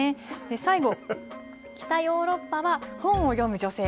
最後、北ヨーロッパは本を読む女性。